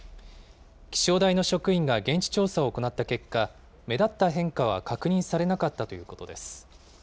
気象台の職員が現地調査を行った結果、目立った変化は確認されなかったということです。